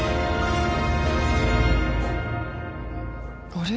あれ？